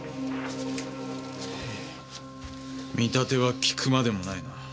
見立ては聞くまでもないな。